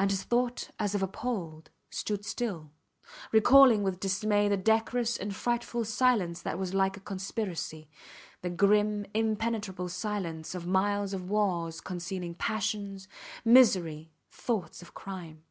And his thought, as if appalled, stood still, recalling with dismay the decorous and frightful silence that was like a conspiracy; the grim, impenetrable silence of miles of walls concealing passions, misery, thoughts of crime.